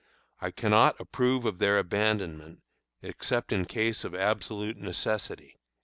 I cannot approve of their abandonment, except in case of absolute necessity."